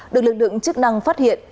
được lực lượng chức năng phát hiện